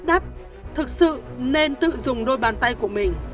phải trả là rất đắt thực sự nên tự dùng đôi bàn tay của mình